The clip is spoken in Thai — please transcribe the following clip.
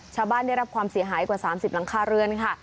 ได้รับความเสียหายกว่า๓๐หลังคาเรือนค่ะ